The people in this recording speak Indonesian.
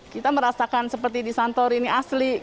kita merasakan seperti di santorini asli